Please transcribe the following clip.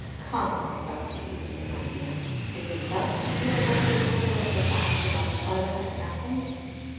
Come, Isocrates (it might be asked), is it thus that you are going to tamper with the facts about Sparta and Athens?